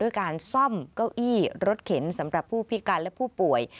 การซ่อมเก้าอี้รถเข็นสำหรับผู้พิการและผู้ป่วย